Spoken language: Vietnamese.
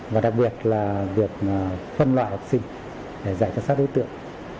và đặc biệt là việc phân loại học sinh để dạy cho sát đối tượng